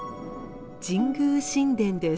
神宮神田です。